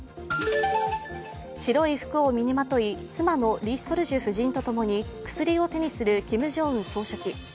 白い服を身にまとい妻のリ・ソルジュ夫人とともに薬を手にするキム・ジョンウン総書記。